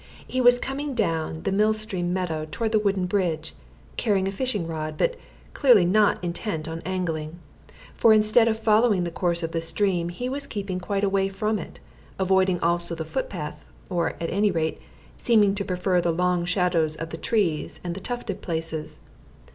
He was coming down the mill stream meadow toward the wooden bridge, carrying a fishing rod, but clearly not intent on angling. For instead of following the course of the stream, he was keeping quite away from it, avoiding also the footpath, or, at any rate, seeming to prefer the long shadows of the trees and the tufted places.